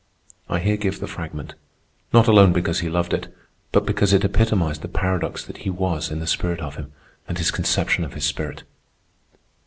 I here give the fragment, not alone because he loved it, but because it epitomized the paradox that he was in the spirit of him, and his conception of his spirit.